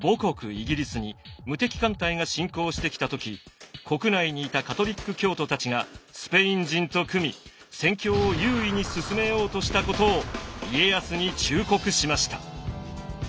イギリスに無敵艦隊が侵攻してきた時国内にいたカトリック教徒たちがスペイン人と組み戦況を優位に進めようとしたことを家康に忠告しました。